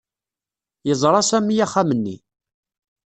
Yeẓra Sami axxam-nni.